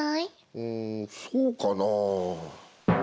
うんそうかなぁ？